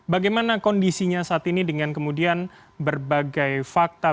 bagaimana kondisinya saat ini dengan kemudian berbagai fakta